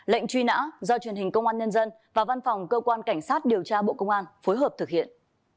lệnh truy nã do truyền hình công an nhân dân và văn phòng cơ quan cảnh sát điều tra bộ công an phối hợp thực hiện